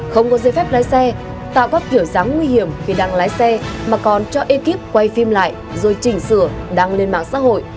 không có giấy phép lái xe tạo các kiểu dáng nguy hiểm khi đang lái xe mà còn cho ekip quay phim lại rồi chỉnh sửa đăng lên mạng xã hội